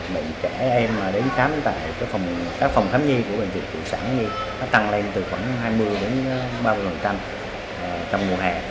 bệnh viện phụ sản nhi đã tăng lên từ khoảng hai mươi đến ba mươi trong mùa hè